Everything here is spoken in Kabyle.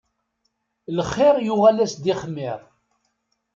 Lxir yuɣal-as d ixmir.